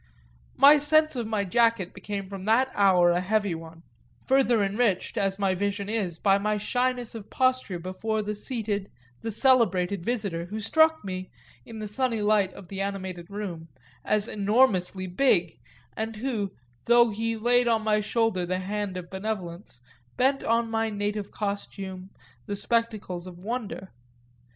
My sense of my jacket became from that hour a heavy one further enriched as my vision is by my shyness of posture before the seated, the celebrated visitor, who struck me, in the sunny light of the animated room, as enormously big and who, though he laid on my shoulder the hand of benevolence, bent on my native costume the spectacles of wonder.